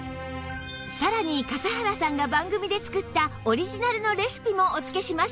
さらに笠原さんが番組で作ったオリジナルのレシピもお付けします